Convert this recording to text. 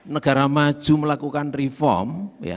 negara maju melakukan reform